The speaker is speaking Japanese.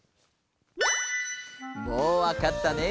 もうわかったね？